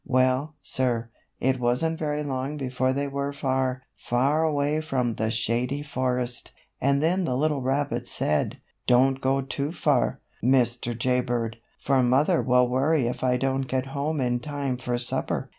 Well, sir, it wasn't very long before they were far, far away from the Shady Forest, and then the little rabbit said: "Don't go too far, Mr. Jay Bird, for mother will worry if I don't get home in time for supper."